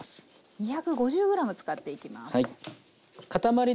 ２５０ｇ使っていきます。